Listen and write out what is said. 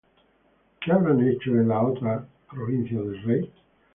¿qué habrán hecho en las otras provincias del rey?